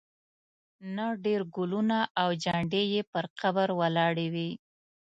نه ډېر ګلونه او جنډې یې پر قبر ولاړې وې.